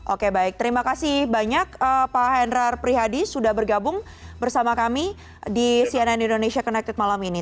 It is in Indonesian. oke baik terima kasih banyak pak henrar prihadi sudah bergabung bersama kami di cnn indonesia connected malam ini